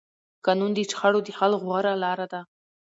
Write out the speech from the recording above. قانون د شخړو د حل غوره لاره ده